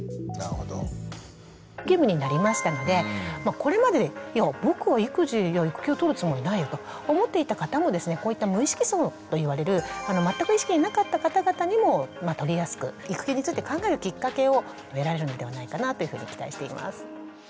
義務になりましたのでこれまで「いや僕は育児育休取るつもりないよ」と思っていた方もですねこういった無意識層といわれる全く意識になかった方々にも取りやすく育休について考えるきっかけを得られるのではないかなというふうに期待しています。